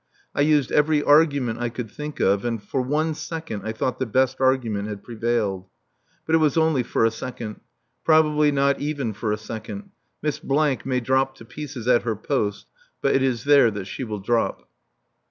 I used every argument I could think of, and for one second I thought the best argument had prevailed. But it was only for a second. Probably not even for a second. Miss may drop to pieces at her post, but it is there that she will drop.